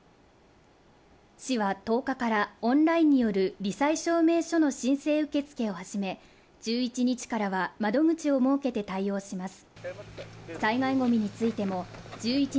市は１０日から、オンラインによるり災証明書の申請受け付けを始め、１１日からは窓口を設けて対応します。